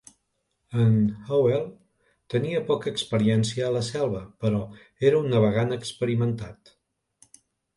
En Hovell tenia poca experiència a la selva, però era un navegant experimentat.